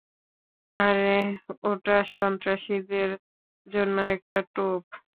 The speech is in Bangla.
আরে, ওটা সন্ত্রাসীদের জন্য একটা টোপ।